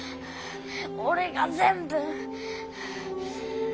俺が全部。